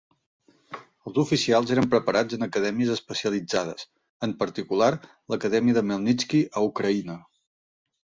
Els oficials eren preparats en acadèmies especialitzades, en particular, l'Acadèmia de Khmelnitski, a Ucraïna.